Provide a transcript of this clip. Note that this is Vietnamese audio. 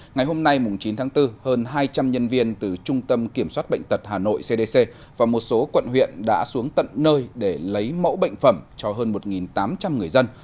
ngày hôm nay chín tháng bốn hơn hai trăm linh nhân viên từ trung tâm kiểm soát bệnh tật hà nội cdc và một số quận huyện đã xuống tận nơi để lấy mẫu bệnh phẩm cho hơn một tám trăm linh người dân